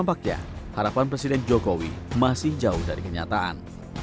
tampaknya harapan presiden jokowi masih jauh dari kenyataan